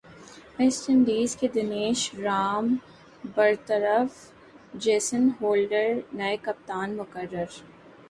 waste Indies کے دنیش رام برطرف Jason Holder نئے کپتان مقرر